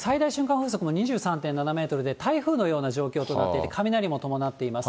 風速も２３．７メートルで、台風のような状況となっていて、雷も伴っています。